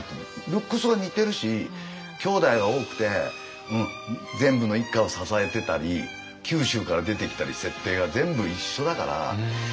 ルックスが似てるしきょうだいは多くて全部の一家を支えてたり九州から出てきたり設定が全部一緒だから。